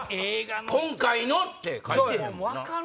「今回の」って書いてへんもんな。